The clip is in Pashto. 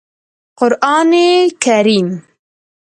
قرآن کریم